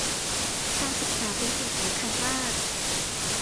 การศึกษาเป็นสิ่งสำคัญมาก